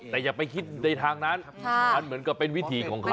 แต่อย่าไปคิดในทางนั้นมันเหมือนกับเป็นวิถีของเขา